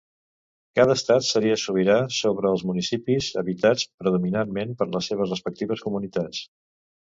Cada estat seria sobirà sobre els municipis habitats predominantment per les seves respectives comunitats.